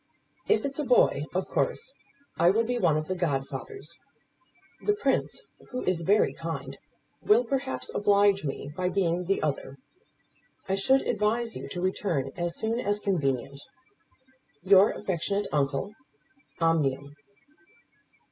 If it's a boy, of course I will be one of the godfathers. The Prince, who is very kind, will perhaps oblige me by being the other. I should advise you to return as soon as convenient. Your affectionate uncle, OMNIUM.